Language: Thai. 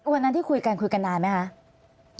วันนั้นที่คุยกันคุยกันนานไหมคะ